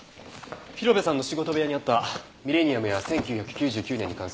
広辺さんの仕事部屋にあったミレニアムや１９９９年に関する資料や本です。